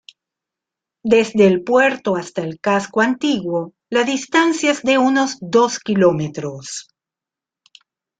Desde el puerto hasta el casco antiguo, la distancia es de unos dos kilómetros.